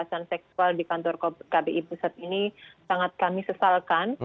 kekerasan seksual di kantor kbi pusat ini sangat kami sesalkan